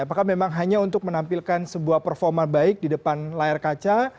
apakah memang hanya untuk menampilkan sebuah performa baik di depan layar kaca